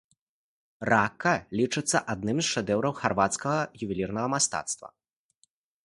Рака лічыцца адным з шэдэўраў харвацкага ювелірнага мастацтва.